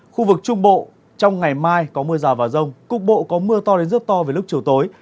khu vực trung bộ trong ngày mai có mưa rào và rông cục bộ có mưa to đến rất to về lúc chiều tối